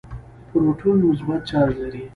پروټون مثبت چارج لري.